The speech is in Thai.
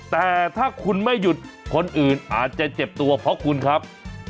แต่ถ้าคุณไม่หยุดคนอื่นอาจจะเจ็บตัวเพราะคุณครับ